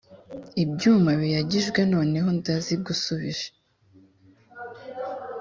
ibyuma biyagijwe noneho ndazigushubije